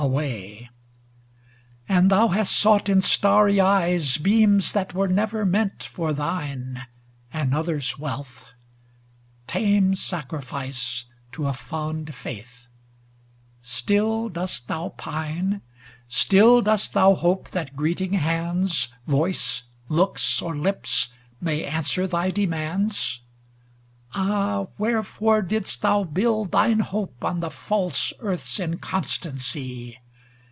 EARLY POEMS 34i And thou hast sought in starry eyes Beams that were never meant for thine, Another's wealth; ŌĆö tame sacrifice To a foud faith ! still dost thou pine ? Still dost thou hope that greeting hands, Voice, looks or lips, may answer thy de mands ? Ah, wherefore didst thou build thine hope On the false earth's inconstancy